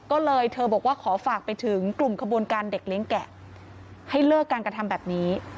ก็เลยเธอบอกว่าขอฝากไปถึงกลุ่มขบวนการเด็กเลี้ยงแกะให้เลิกการกระทำแบบนี้